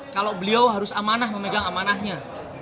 kalau beliau harus amanah memegang amanahnya